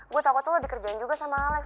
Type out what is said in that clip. gue takut lo dikerjain juga sama alex